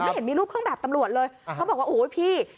เห็นมีรูปเครื่องแบบตำรวจเลยเขาบอกว่าโอ้โหพี่